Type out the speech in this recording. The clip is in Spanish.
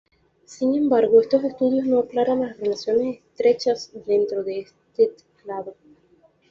Sin embargo, estos estudios no aclaran las relaciones estrechas dentro de este clado.